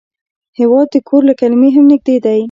هېواد د کور له کلمې هم نږدې دی.